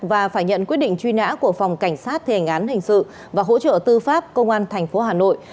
và phải nhận quyết định truy nã của phòng cảnh sát thể hành án hình sự và hỗ trợ tư pháp công an tp hà nội